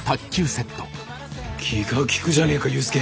気が利くじゃねえか勇介。